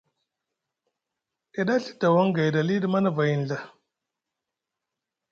E ɗa Ɵii dawaŋ gayɗi aliɗi Manavay nɵa.